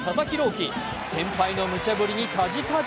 希、先輩のむちゃぶりにタジタジ。